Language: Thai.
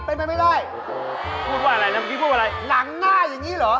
เป็นใคร